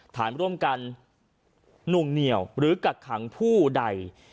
ฐานร่วมกันนุ่งเหนียวหรือกักขังผู้ใด